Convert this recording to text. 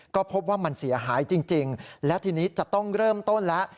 ก็พบว่ามันเสียหายจริงและทีนี้จะต้องเริ่มต้นแล้ว